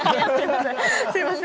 すいません。